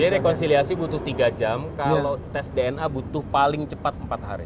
jadi rekonsiliasi butuh tiga jam kalau tes dna butuh paling cepat empat hari